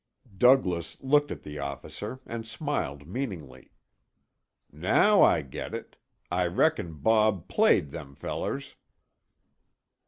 Douglas looked at the officer and smiled meaningly. "Now I get it! I reckon Bob played them fellers."